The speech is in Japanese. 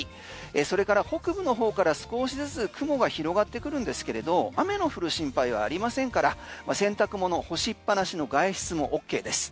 それから北部の方から少しずつ雲が広がってくるんですけれど雨の降る心配はありませんから洗濯物干しっぱなしの外出もＯＫです。